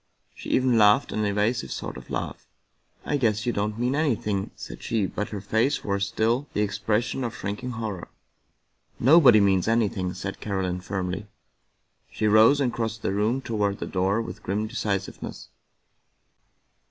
She even laughed an evasive sort of laugh. " I guess you don't mean anything," said she, but her face wore still the expression of shrinking horror. " Nobody means anything," said Caroline firmly. She rose and crossed the room toward the door with grim de cisiveness.